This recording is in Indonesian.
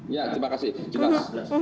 ya terima kasih jelas